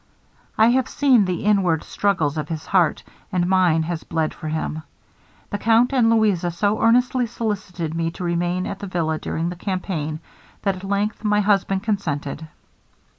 I have seen the inward struggles of his heart, and mine has bled for him. The count and Louisa so earnestly solicited me to remain at the villa during the campaign, that at length my husband consented.